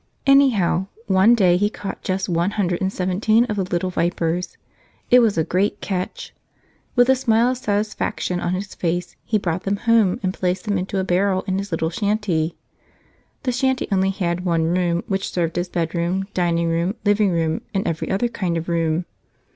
Anyhow, one day he caught just one hundred and seventeen of the little vipers. It was a great catch. With a smile of satisfaction on his face he brought them home and placed them into a barrel in his little shanty. (The shanty only had one room, which served as bedroom, dining room, living room, and every other kind of room.)